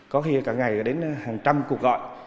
có khi cả ngày đến hàng trăm cuộc gọi